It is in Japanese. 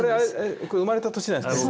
これ生まれた年なんですか？